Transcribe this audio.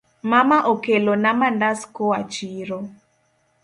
Mama okelona mandas koa chiro.